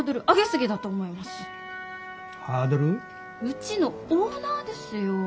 うちのオーナーですよ。